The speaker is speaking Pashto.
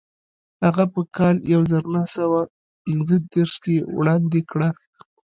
هغه په کال یو زر نهه سوه پنځه دېرش کې وړاندې کړه.